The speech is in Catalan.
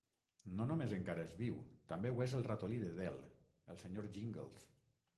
No només encara és viu, també ho és el ratolí de Del, el senyor Jingles.